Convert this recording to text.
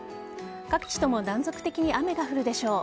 各地とも断続的に雨が降るでしょう。